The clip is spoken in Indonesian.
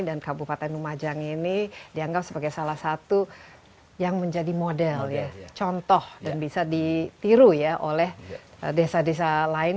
dan kabupaten lumajang ini dianggap sebagai salah satu yang menjadi model contoh dan bisa ditiru oleh desa desa lain